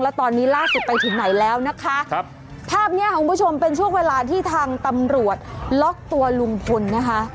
แล้วตอนนี้ล่าสุดไปถึงไหนแล้วนะคะครับภาพเนี้ยคุณผู้ชมเป็นช่วงเวลาที่ทางตำรวจล็อกตัวลุงพลนะคะ